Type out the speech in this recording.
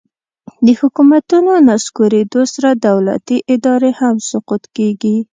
د حکومتونو نسکورېدو سره دولتي ادارې هم سقوط کیږي